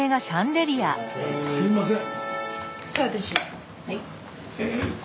すいません。